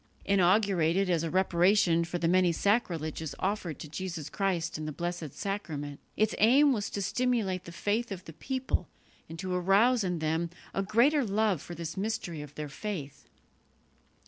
Inaugurated as a reparation for the many sacrileges offered to Jesus Christ in the Blessed Sacrament, its aim was to stimulate the faith of the people and to arouse in them a greater love for this mystery of their faith.